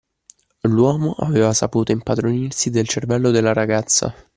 L'uomo, aveva saputo impadronirsi del cervello della ragazza.